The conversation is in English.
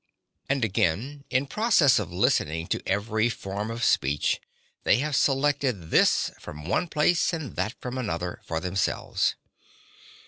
And again, in process of listening to every form of speech, (5) they have selected this from one place and that from another for themselves.